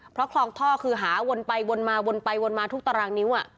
เพราะคลองท่อคือหาวนไปวนมาวนไปวนมาทุกตารางนิ้ว